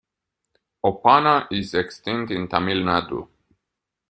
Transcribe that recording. Oppana is extinct in Tamil Nadu.